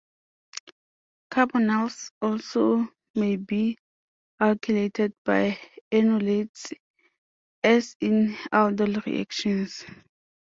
Carbonyls also may be alkylated by enolates as in aldol reactions.